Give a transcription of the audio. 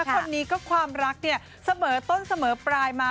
คนนี้ก็ความรักเนี่ยเสมอต้นเสมอปลายมา